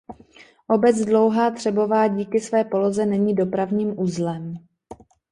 Obec Dlouhá Třebová díky své poloze není dopravním uzlem.